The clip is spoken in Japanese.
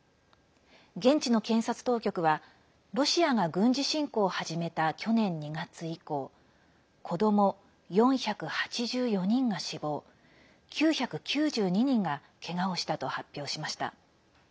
現地の検察当局はロシアが軍事侵攻を始めた去年２月以降子ども４８４人が死亡９９２人がけがをしたと発表しました。